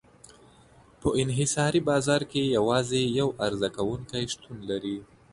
په انحصاري بازار کې یوازې یو عرضه کوونکی شتون لري.